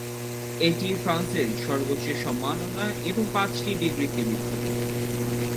এটি ফ্রান্সের সর্বোচ্চ সম্মাননা এবং পাঁচটি ডিগ্রিতে বিভক্ত।